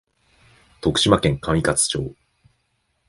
徳島県上勝町